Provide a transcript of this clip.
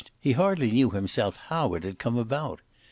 He hardly knew himself how it had come about.